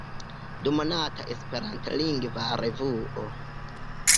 Dumonata esperantlingva revuo.